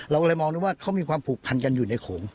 เราก็เลยมองได้ว่าเขามีความผูกพันกันอยู่ในโขง